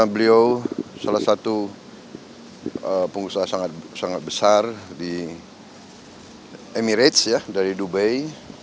beliau salah satu pengusaha sangat besar di emirates dari dubai